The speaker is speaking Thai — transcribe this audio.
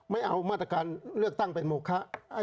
ไม่เอามาตรการเลือกตั้งเป็นโมคะ